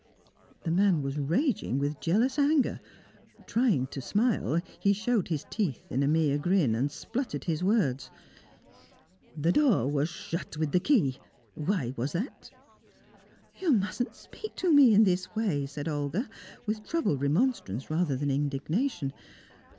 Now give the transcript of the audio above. The man was raging with jealous anger; trying to smile, he showed his teeth in a mere grin, and sputtered his words. "The door was shut with the key! Why was that?" "You mustn't speak to me in this way," said Olga, with troubled remonstrance rather than indignation.